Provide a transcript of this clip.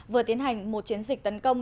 vừa tiến hành một chiến dịch tấn công